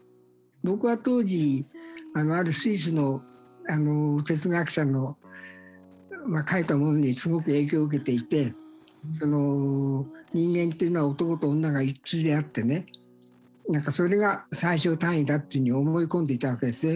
僕は当時あるスイスの哲学者の書いたものにすごく影響を受けていて人間というのは男と女が一対であってねそれが最小単位だっていうように思い込んでいたわけですね。